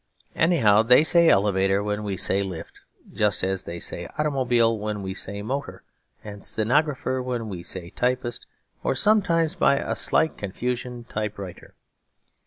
Anyhow they say elevator when we say lift, just as they say automobile when we say motor and stenographer when we say typist, or sometimes (by a slight confusion) typewriter.